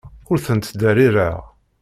Ur ten-ttderrireɣ.